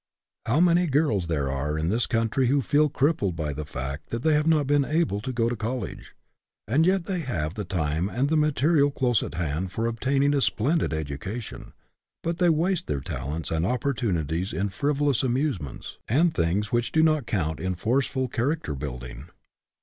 How many girls there are in this country who feel crippled by the fact that they have not been able to go to college. And yet they have the time and the material close at hand for obtaining a splendid education, but they waste their talents and opportunities in friv olous amusements and things which do not count in forceful character building.